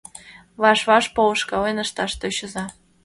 Ваш-ваш полышкален ышташ тӧчыза.